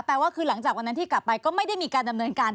ว่าคือหลังจากวันนั้นที่กลับไปก็ไม่ได้มีการดำเนินการ